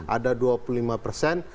ada dua puluh lima persen